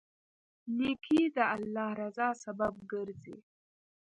نیکي د الله رضا سبب ګرځي.